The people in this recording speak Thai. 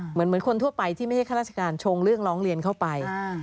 เหมือนคนทั่วไปที่ไม่ใช่ข้าราชการชงเรื่องร้องเรียนเข้าไป